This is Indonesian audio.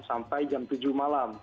sampai jam tujuh malam